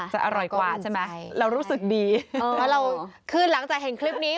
จะอร่อยกว่าใช่ไหมเรารู้สึกดีแล้วเราคือหลังจากเห็นคลิปนี้